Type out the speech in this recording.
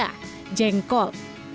yang pertama adalah jengkol